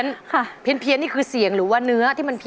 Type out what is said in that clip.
ค่ะเพี้ยนนี่คือเสียงหรือว่าเนื้อที่มันเพี้ย